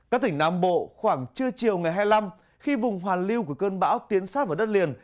các tỉnh nam bộ khoảng trưa chiều ngày hai mươi năm khi vùng hoàn lưu của cơn bão tiến sát vào đất liền